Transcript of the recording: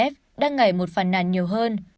nga sẽ đảm bảo chiến thắng ngày một phần nàn nhiều hơn